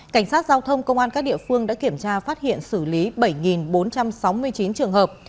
cảnh sát giao thông công an các địa phương đã kiểm tra phát hiện xử lý bảy bốn trăm sáu mươi chín trường hợp